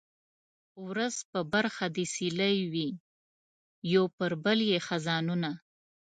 ورځ په برخه د سیلۍ وي یو پر بل یې خزانونه